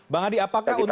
bang hadi apakah untuk bisa